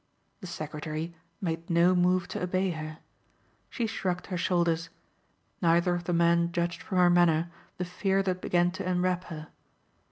The secretary made no move to obey her. She shrugged her shoulders. Neither of the men judged from her manner the fear that began to enwrap her.